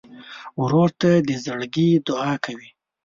ورور ته د زړګي دعاء کوې.